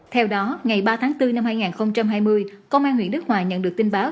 theo đó ngày ba tháng bốn năm hai nghìn hai mươi công an huyện đức hòa nhận được tin báo